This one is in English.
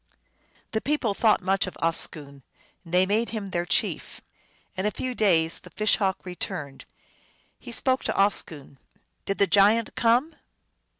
The people thought much of Oscoon. They made him their chief. In a few days the Fish Hawk re turned. He spoke to Oscoon :" Did the giant come